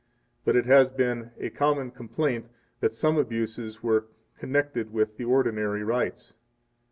9 But it has been a common complaint that some abuses were connected with the ordinary rites.